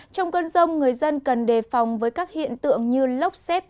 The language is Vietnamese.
trong cơn rông người dân cần đề phòng với các hiện tượng như lốc xét